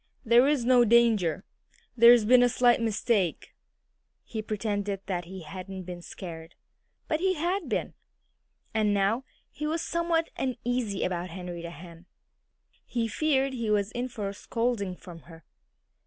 "There's no danger. There's been a slight mistake." He pretended that he hadn't been scared. But he had been. And now he was somewhat uneasy about Henrietta Hen. He feared he was in for a scolding from her.